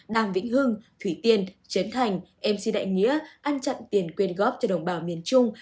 đàm vĩnh hưng thủy tiên trấn thành mc đại nghĩa ăn chặn tiền quyên góp cho đồng bào miền trung